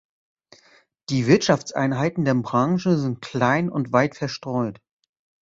Die Wirtschaftseinheiten der Branche sind klein und weit verstreut.